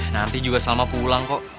nanti juga salma pulang kok